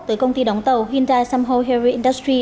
tới công ty đóng tàu hyundai samho heavy industry